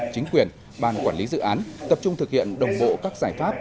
chính quyền ban quản lý dự án tập trung thực hiện đồng bộ các giải pháp